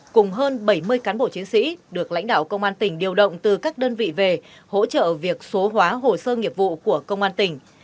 cùng hơn bảy mươi cán bộ chiến sĩ được lãnh đạo công an tỉnh điều động từ các đơn vị về hỗ trợ việc số hóa hồ sơ nghiệp vụ của công an tỉnh